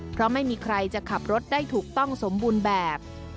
เพราะไม่มีใครจะขับรถได้ถูกต้องสมบูรณ์แบบ